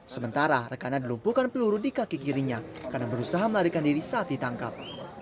sementara rekannya dilumpuhkan peluru di kaki kirinya karena berusaha melarikan diri saat ditangkap